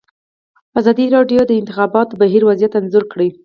ازادي راډیو د د انتخاباتو بهیر وضعیت انځور کړی.